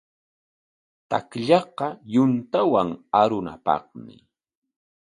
Takllaqa yuntawan arunapaqmi.